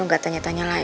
udah ya tasya